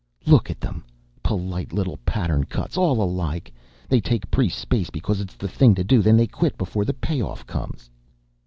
"Look at them! polite little pattern cuts, all alike. They take pre space, because it's the thing to do. Then they quit before the pay off comes."